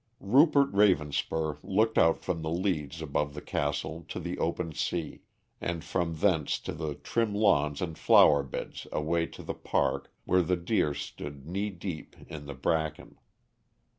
Rupert Ravenspur looked out from the leads above the castle to the open sea, and from thence to the trim lawns and flower beds away to the park, where the deer stood knee deep in the bracken.